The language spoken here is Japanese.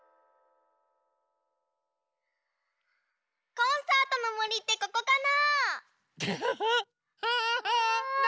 コンサートのもりってここかな？